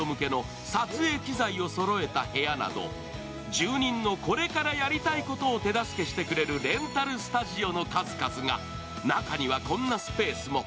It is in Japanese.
住人のこれからやりたいことを手助けしてくれるレンタルスタジオの数々が中には、こんなスペースも。